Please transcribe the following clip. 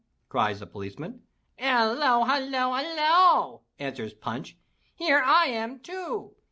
cries the policeman. "Hollo! Hollo! Hollo!" answers Punch. "Here I am too!"